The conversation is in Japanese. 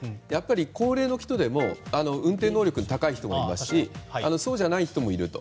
高齢の人でも運転能力が高い人はいますしそうじゃない人もいると。